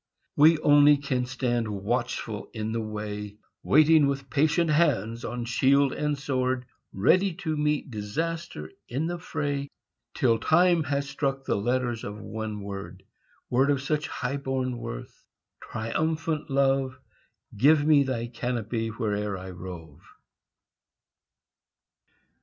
We only can stand watchful in the way, Waiting with patient hands on shield and sword, Ready to meet disaster in the fray, Till Time has struck the letters of one word Word of such high born worth: triumphant Love, Give me thy canopy where'er I rove.